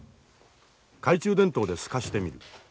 懐中電灯で透かしてみる。